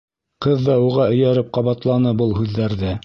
Ҡыҙ ҙа уға эйәреп ҡабатланы был һүҙҙәрҙе.